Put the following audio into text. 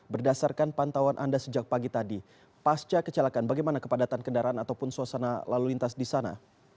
berdasarkan pantauan anda sejak pagi tadi pasca kecelakaan bagaimana kepadatan kendaraan ataupun suasana lalu lintas di sana